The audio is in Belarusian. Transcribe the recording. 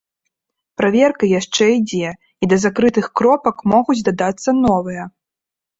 Праверка яшчэ ідзе, і да закрытых кропак могуць дадацца новыя.